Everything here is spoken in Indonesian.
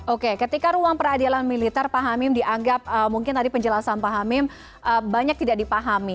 oke ketika ruang peradilan militer pak hamim dianggap mungkin tadi penjelasan pak hamim banyak tidak dipahami